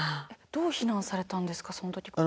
どう避難されたんですかその時。